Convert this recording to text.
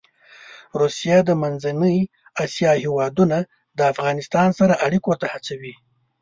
روسیه د منځنۍ اسیا هېوادونه د افغانستان سره اړيکو ته هڅوي.